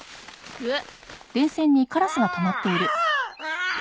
うわっ！